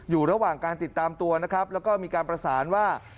อยู่ระหว่างการติดตามตัวนะครับแล้วก็มีการประสานว่า